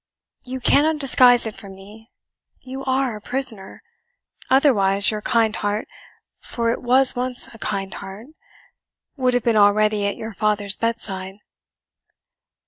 You cannot disguise it from me you are a prisoner. Otherwise your kind heart for it was once a kind heart would have been already at your father's bedside.